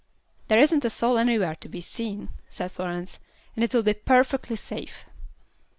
"There isn't a soul anywhere to be seen," said Florence, "and it will be perfectly safe."